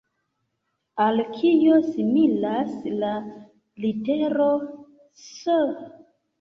Al kio similas la litero S?